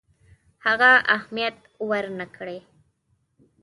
هغه اهمیت ورنه کړي.